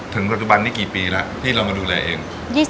ถึงปัจจุบันนี้กี่ปีแล้วที่เรามาดูแลเอง